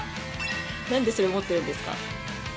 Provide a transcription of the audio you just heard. ・何でそれ持ってるんですか？